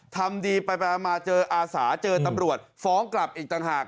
ทำดีไปมาเจออาสาเจอตำรวจฟ้องกลับอีกต่างหาก